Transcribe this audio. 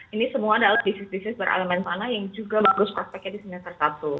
ini semua adalah bisnis bisnis berelemen mana yang juga bagus prospeknya di semester satu